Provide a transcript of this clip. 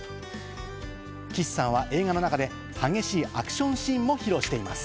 岸さんは映画の中で激しいアクションシーンも披露しています。